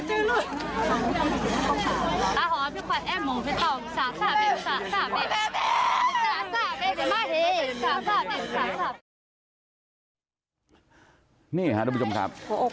อยากจะเห็นว่าลูกเป็นยังไงอยากจะเห็นว่าลูกเป็นยังไง